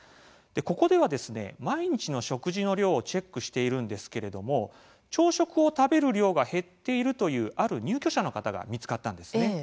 ここでは毎日の食事の量をチェックしているんですけれども朝食を食べる量が減っているという、ある入居者の方が見つかったんですね。